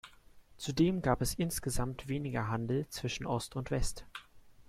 Zudem gab es insgesamt weniger Handel zwischen Ost und West.